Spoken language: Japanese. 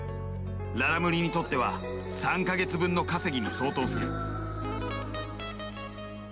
ララムリにとっては３か月分の稼ぎに相当する。